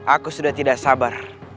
aku sudah tidak sabar